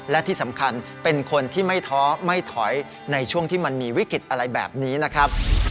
และที่สำคัญเป็นคนที่ไม่ท้อไม่ถอยในช่วงที่มันมีวิกฤตอะไรแบบนี้นะครับ